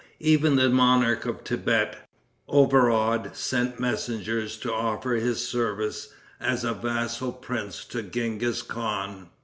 Even the monarch of Thibet, overawed, sent messengers to offer his service as a vassal prince to Genghis Khan.